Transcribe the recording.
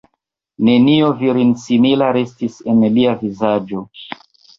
Nenio virinsimila restis en lia vizaĝo.